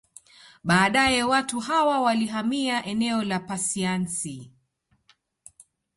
Baadae watu hawa walihamia eneo la Pasiansi